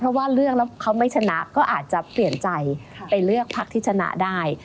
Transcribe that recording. เพราะว่าเลือกแล้วเขาไม่ชนะก็อาจจะเปลี่ยนใจไปเลือกพักที่ชนะได้